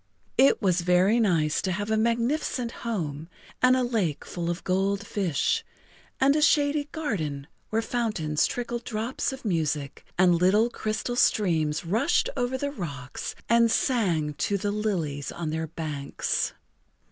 It was very nice to have a magnificent home, and a lake full of gold fish, and a shady garden where fountains trickled drops of music, and little crystal streams rushed over the rocks and sang to the lilies on their banks.